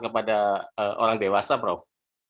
kepada orang dewasa prof